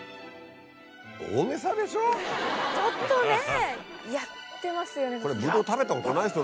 ちょっとねやってますよね。